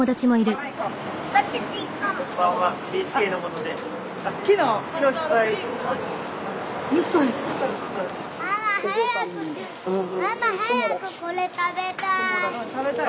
ママ早くこれ食べたい。